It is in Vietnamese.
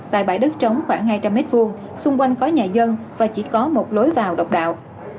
tại bãi đất trống khoảng hai trăm linh m hai xung quanh có nhà dân và chỉ có một lối vào độc đạo